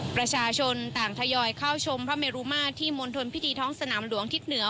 ประชาชนต่างทยอยเข้าชมพระเมรุมาตรที่มณฑลพิธีท้องสนามหลวงทิศเหนือ